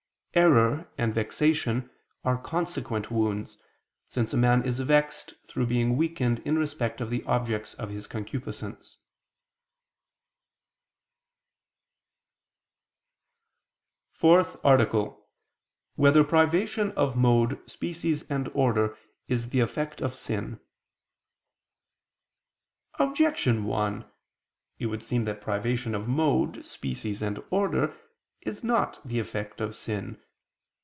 "Error" and "vexation" are consequent wounds, since a man is vexed through being weakened in respect of the objects of his concupiscence. ________________________ FOURTH ARTICLE [I II, Q. 85, Art. 4] Whether Privation of Mode, Species and Order Is the Effect of Sin? Objection 1: It would seem that privation of mode, species and order is not the effect of sin.